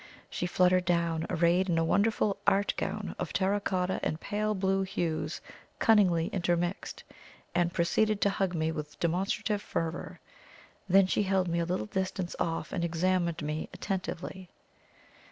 She fluttered down, arrayed in a wonderful "art" gown of terra cotta and pale blue hues cunningly intermixed, and proceeded to hug me with demonstrative fervour. Then she held me a little distance off, and examined me attentively.